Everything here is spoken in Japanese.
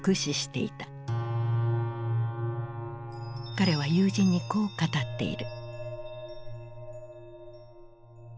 彼は友人にこう語っている。